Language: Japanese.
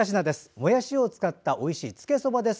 もやしを使ったおいしいつけそばです。